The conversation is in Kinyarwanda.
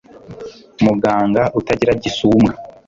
muganga utagira gisumbwa